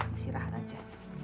masih rehat saja